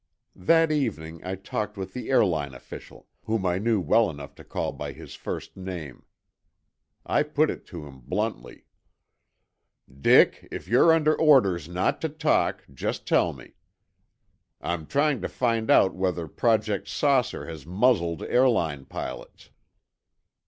That evening I talked with the airline official, whom I knew well enough to call by his first name. I put it to him bluntly. "Dick, if you're under orders not to talk, just tell me. Fm trying to find out whether Project 'Saucer' has muzzled airline pilots."